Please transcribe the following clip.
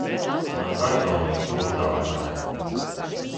Man personīgi to uzdāvināja.